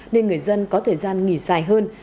nên người dân có thời gian nghỉ dài hơn